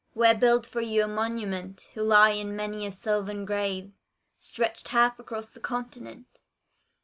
Where build for you a monument, Who lie in many a sylvan grave, Stretched half across the continent!